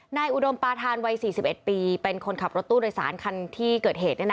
อุดมปาธานวัย๔๑ปีเป็นคนขับรถตู้โดยสารคันที่เกิดเหตุ